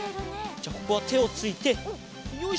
じゃあここはてをついてよいしょ。